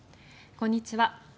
こんにちは。